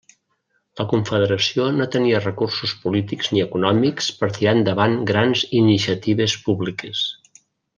La Confederació no tenia recursos polítics ni econòmics per tirar endavant grans iniciatives públiques.